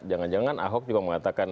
jangan jangan ahok juga mengatakan